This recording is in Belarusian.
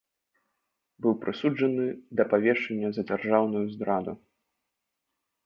Быў прысуджаны да павешання за дзяржаўную здраду.